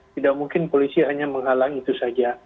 tidak mungkin polisi hanya menghalangi itu saja